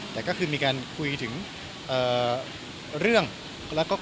แต่ก็คือมีการคุยถึงเรื่องแล้วก็